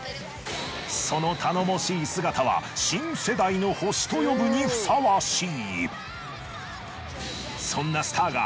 その頼もしい姿は新世代の星と呼ぶにふさわしい。